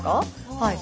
はい。